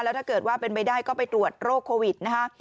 แล้วถ้าเกิดว่าเป็นไปได้ก็ไปตรวจโรคโควิดนะคะ